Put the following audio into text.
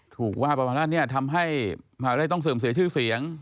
ถูกว่าประมาณนี้ทำให้หลายต้องเสริมเสียชื่อเสียง